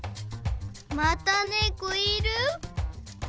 またねこいる？